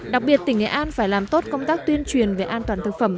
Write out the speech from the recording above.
đặc biệt tỉnh nghệ an phải làm tốt công tác tuyên truyền về an toàn thực phẩm